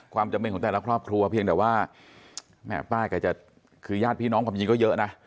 ความจำเป็นของแต่ละครอบครัวเพียงแต่ว่าแม่ป้าแกจะคือญาติพี่น้องความจริงก็เยอะนะ